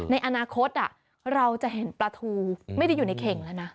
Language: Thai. ในอนาคตเราจะเห็นปลาทูไม่ได้อยู่ในเข่งแล้วนะ